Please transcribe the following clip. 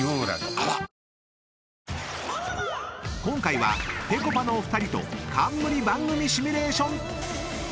［今回はぺこぱのお二人と］